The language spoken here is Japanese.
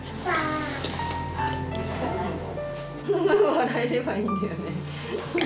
笑えればいいんだよね。